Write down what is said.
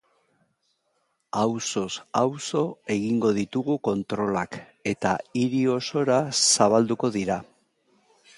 Auzoz auzo egingo ditugu kontrolak, eta hiri osora zabalduko dira.